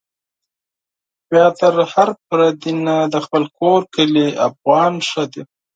بيا تر هر پردي نه، د خپل کور کلي افغان ښه دی